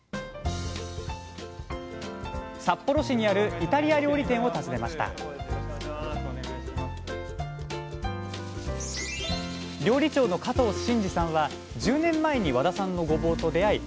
札幌市にあるイタリア料理店を訪ねました料理長の加藤慎二さんは１０年前に和田さんのごぼうと出会い